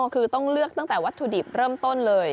คือต้องเลือกตั้งแต่วัตถุดิบเริ่มต้นเลย